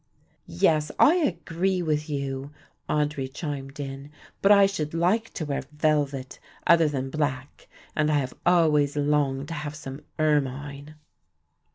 "Yes, I agree with you," Audry chimed in, "but I should like to wear velvet other than black, and I have always longed to have some ermine."